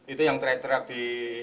itu yang teretret di